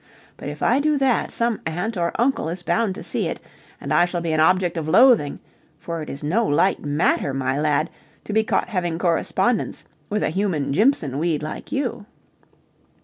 But, if I do that some aunt or uncle is bound to see it, and I shall be an object of loathing, for it is no light matter, my lad, to be caught having correspondence with a human Jimpson weed like you.